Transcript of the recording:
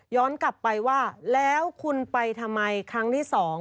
กลับไปว่าแล้วคุณไปทำไมครั้งที่๒